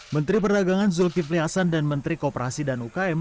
menteri perdagangan zulkifli hasan dan menteri kooperasi dan ukm